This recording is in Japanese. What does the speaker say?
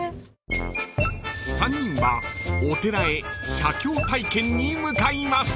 ［３人はお寺へ写経体験に向かいます］